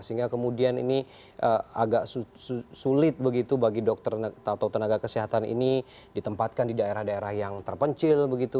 sehingga kemudian ini agak sulit begitu bagi dokter atau tenaga kesehatan ini ditempatkan di daerah daerah yang terpencil begitu